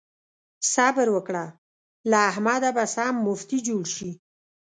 صبر وکړه؛ له احمده به سم مفتي جوړ شي.